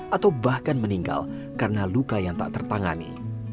atau bahkan meninggal karena luka yang tak tertangani